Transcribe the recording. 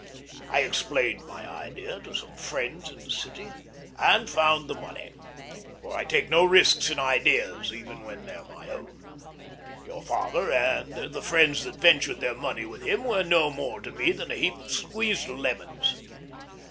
I explained my idea to some friends in the city, and they found the money; for I take no risks in ideas, even when they're my own. Your father and the friends that ventured their money with him were no more to me than a heap of squeezed lemons.